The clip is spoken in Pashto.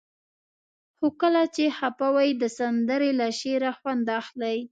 خو کله چې خفه وئ د سندرې له شعره خوند اخلئ.